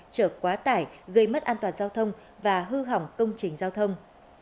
chở quá tải gây mất an toàn giao thông và hư hỏng công trình giao thông